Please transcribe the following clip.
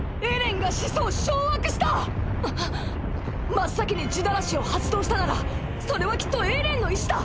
真っ先に地鳴らしを発動したならそれはきっとエレンの意志だ！！